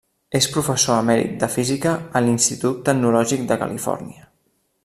És professor emèrit de física a l'Institut Tecnològic de Califòrnia.